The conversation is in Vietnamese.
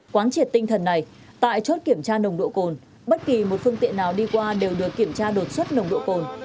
quán triệt tinh thần này tại chốt kiểm tra nồng độ cồn bất kỳ một phương tiện nào đi qua đều được kiểm tra đột xuất nồng độ cồn